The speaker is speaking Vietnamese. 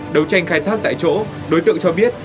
đấu tranh khai thác tại chỗ đối tượng cho biết